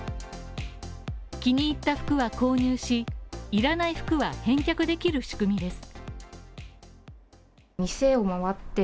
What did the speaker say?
気に入った服は購入し、いらない服は返却できる仕組みです。